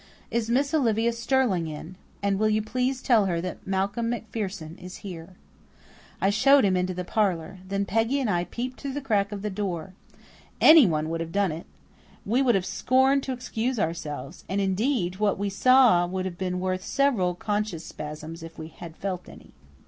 "Is Miss Olivia Sterling in? And will you please tell her that Malcolm MacPherson is here?" I showed him into the parlour. Then Peggy and I peeped through the crack of the door. Anyone would have done it. We would have scorned to excuse ourselves. And, indeed, what we saw would have been worth several conscience spasms if we had felt any.